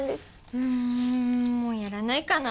うんもうやらないかな。